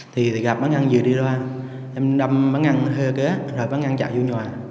thì gặp bán ăn vừa đi qua em đâm bán ăn hơi kế rồi bán ăn chạy vô nhòa